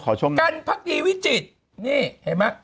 การภักดีวิจิติ